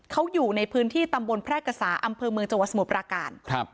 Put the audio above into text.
เขาอยู่ในพื้นที่ตำบลแพร่กษาอำเภอเมืองจังหวัดสมุทรปราการครับ